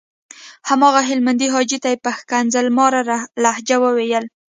هماغه هلمندي حاجي ته یې په ښکنځل ماره لهجه وويل.